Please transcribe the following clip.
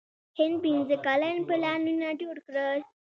هند پنځه کلن پلانونه جوړ کړل.